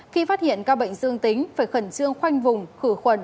khi phát hiện ca bệnh dương tính phải khẩn trương khoanh vùng khử khuẩn